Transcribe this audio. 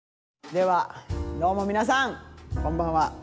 ではどうも皆さんこんばんは。